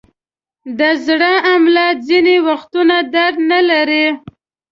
د زړه حمله ځینې وختونه درد نلري.